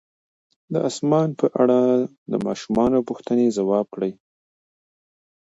د اسمان په اړه د ماشومانو پوښتنې ځواب کړئ.